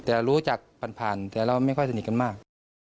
แต่รู้จักผ่านแต่เราไม่ค่อยสนิทกันมาก